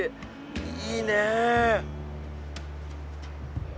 いいねえ。